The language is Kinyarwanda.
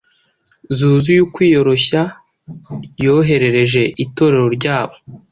zuzuye ukwiyoroshya yoherereje Itorero ryabo